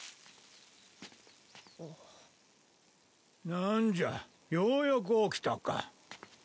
なんじゃようやく起きたか。